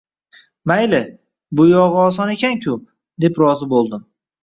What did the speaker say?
“Mayli, bu yog’i oson ekan-ku”, deb rozi bo’ldim.